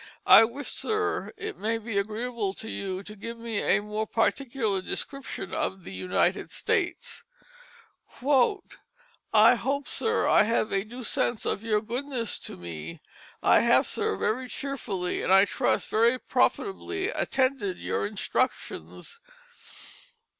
I wish, sir, it may be agreeable to you to give me a more particular description of the United States. "I hope, sir, I have a due sense of your goodness to me. I have, sir, very cheerfully, and I trust very profitably, attended your instructions."